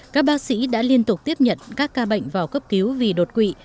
các bác sĩ đã liên tục tiếp nhận các ca bệnh vào cấp cứu vì đột quỵ